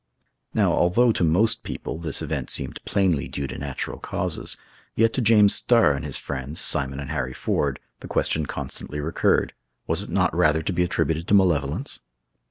Now, although to most people this event seemed plainly due to natural causes, yet to James Starr and his friends, Simon and Harry Ford, the question constantly recurred, was it not rather to be attributed to malevolence?